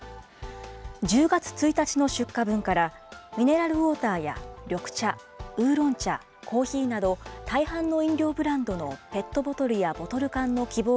１０月１日の出荷分から、ミネラルウォーターや緑茶、ウーロン茶、コーヒーなど大半の飲料ブランドのペットボトルやボトル缶の希望